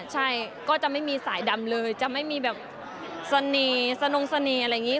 ใช่ก็จะไม่มีสายดำเลยจะไม่มีแบบเสน่ห์สนงเสน่ห์อะไรอย่างนี้